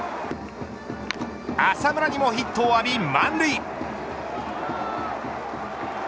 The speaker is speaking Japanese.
浅村にもヒットを浴び満塁。